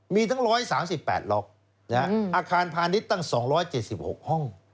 มีทั้ง๑๓๘ล็อกอาคารพาณิชย์ตั้ง๒๗๖ห้อง